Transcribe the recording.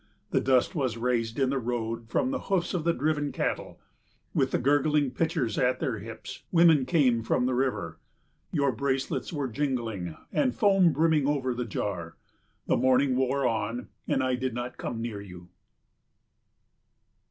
The dust was raised in the road from the hoofs of the driven cattle. With the gurgling pitchers at their hips, women came from the river. Your bracelets were jingling, and foam brimming over the jar. The morning wore on and I did not come near you.